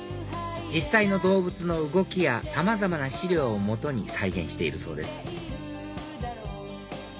実際の動物の動きやさまざまな資料を基に再現しているそうです